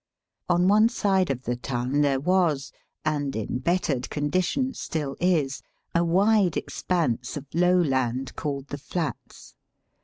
On one side of the town there was, and in bettered con dition still is, a wide expanse of low land called the Flats.